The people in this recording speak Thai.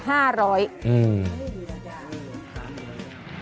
อืม